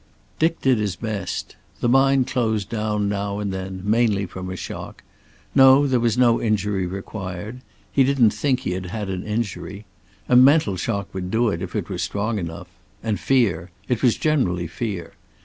Dick did his best. The mind closed down now and then, mainly from a shock. No, there was no injury required. He didn't think he had had an injury. A mental shock would do it, if it were strong enough. And fear. It was generally fear.